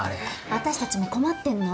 私たちも困ってんの。